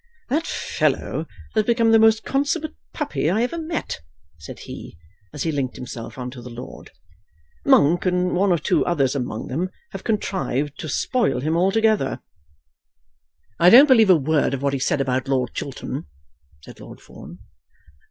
"That fellow has become the most consummate puppy I ever met," said he, as he linked himself on to the lord, "Monk, and one or two others among them, have contrived to spoil him altogether." "I don't believe a word of what he said about Lord Chiltern," said Lord Fawn.